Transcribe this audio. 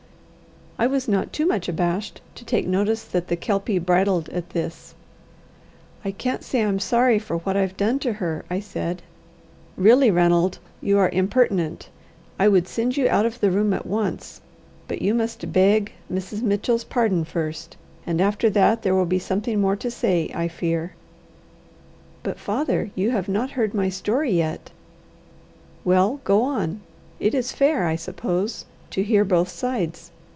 I was not too much abashed to take notice that the Kelpie bridled at this. "I can't say I'm sorry for what I've done to her," I said. "Really, Ranald, you are impertinent. I would send you out of the room at once, but you must beg Mrs. Mitchell's pardon first, and after that there will be something more to say, I fear." "But, father, you have not heard my story yet." "Well go on. It is fair, I suppose, to hear both sides.